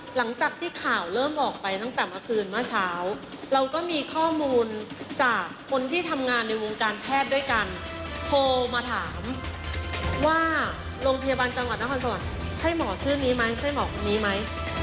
หลังจากที่ข่าวเริ่มออกไปตั้งแต่เมื่อคืนเมื่อเช้าเราก็มีข้อมูลจากคนที่ทำงานในวงการแพทย์ด้วยกันโทรมาถามว่าโรงพยาบาลจังหวัดนครสวรรค์ใช่หมอชื่อนี้ไหมใช่หมอคนนี้ไหม